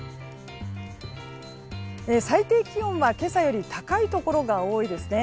最低気温は今朝より高いところが多いですね。